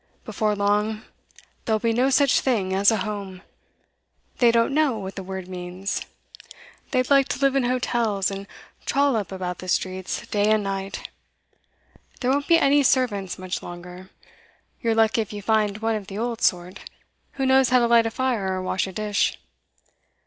Before long, there'll be no such thing as a home. They don't know what the word means. They'd like to live in hotels, and trollop about the streets day and night. There won't be any servants much longer; you're lucky if you find one of the old sort, who knows how to light a fire or wash a dish.